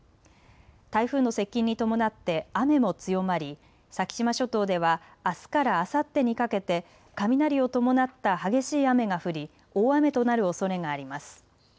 台風の接近に伴って雨も強まり先島諸島ではあすからあさってにかけて雷を伴った激しい雨が降り大雨となるおそれがあります。